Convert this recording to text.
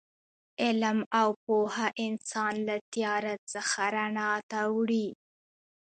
علم او پوهه انسان له تیاره څخه رڼا ته وړي.